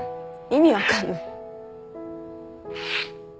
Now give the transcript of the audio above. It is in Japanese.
意味分かんない。